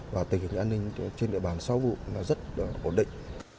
và tình hình an ninh trên địa bàn sau vụ là rất ổn định